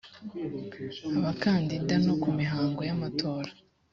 abakandida no ku mihango y amatora